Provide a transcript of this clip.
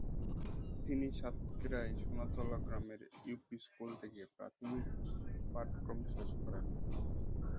তিনি সাতক্ষীরার সোনাতলা গ্রামের ইউপি স্কুল থেকে প্রাথমিক পাঠক্রম শেষ করেন।